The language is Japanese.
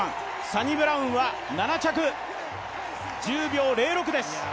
サニブラウンは７着１０秒０６です。